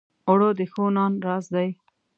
اوړه د ښو نان راز دی